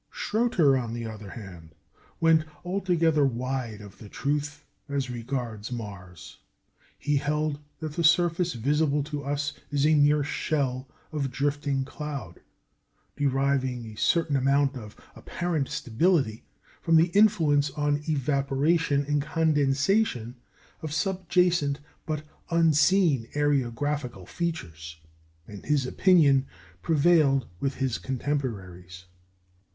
" Schröter, on the other hand, went altogether wide of the truth as regards Mars. He held that the surface visible to us is a mere shell of drifting cloud, deriving a certain amount of apparent stability from the influence on evaporation and condensation of subjacent but unseen areographical features; and his opinion prevailed with his contemporaries.